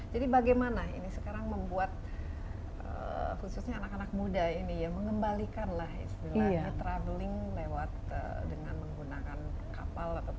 jadi bagaimana ini sekarang membuat khususnya anak anak muda ini ya mengembalikan lah istilahnya travelling lewat dengan menggunakan kapal atau